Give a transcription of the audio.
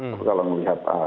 tapi kalau melihat